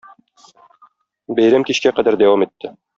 Бәйрәм кичкә кадәр дәвам итте.